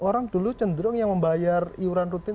orang dulu cenderung yang membayar iuran rutin